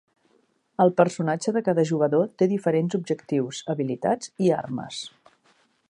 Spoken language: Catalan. El personatge de cada jugador té diferents objectius, habilitats i armes.